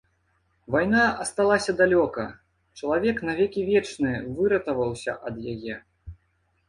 Вайна асталася далёка, чалавек на векі вечныя выратаваўся ад яе.